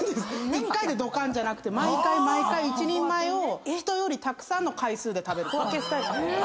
１回でどかんじゃなくて毎回毎回１人前を人よりたくさんの回数で食べる。